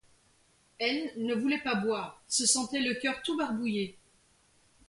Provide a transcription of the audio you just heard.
Elle, ne voulait pas boire, se sentait le coeur tout barbouillé.